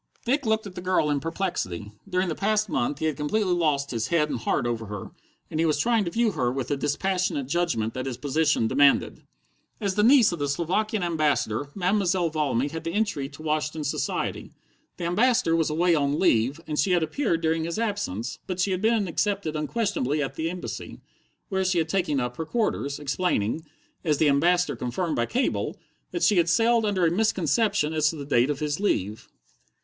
Dick looked at the girl in perplexity. During the past month he had completely lost his head and heart over her, and he was trying to view her with the dispassionate judgment that his position demanded. As the niece of the Slovakian Ambassador, Mademoiselle Valmy had the entry to Washington society. The Ambassador was away on leave, and she had appeared during his absence, but she had been accepted unquestionably at the Embassy, where she had taken up her quarters, explaining as the Ambassador confirmed by cable that she had sailed under a misconception as to the date of his leave.